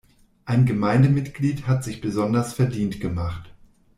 Ein Gemeindemitglied hat sich besonders verdient gemacht.